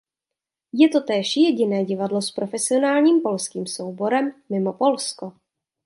Je to též jediné divadlo s profesionálním polským souborem mimo Polsko.